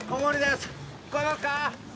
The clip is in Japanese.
聞こえますか？